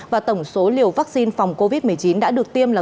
và tổng số liều vắc xin phòng covid một mươi chín đã được tham gia